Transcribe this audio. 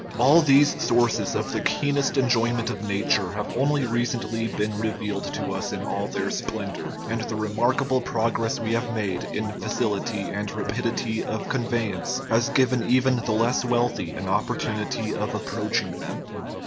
All these sources of the keenest enjoyment of nature have only recently been revealed to us in all their splendor, and the remarkable progress we have made in facility and rapidity of conveyance has given even the less wealthy an opportunity of approaching them.